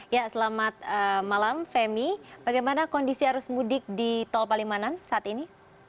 ya selamat malam femi bagaimana kondisi arus mudik di tol palimanan saat ini